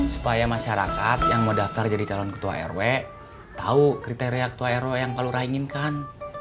supaya masyarakat yang mau daftar jadi talon ketua lw tahu kriteria ketua lw yang pak lura inginkan